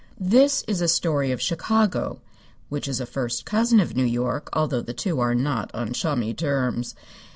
This is a story of Chicago, which is a first cousin of New York, although the two are not on chummy terms.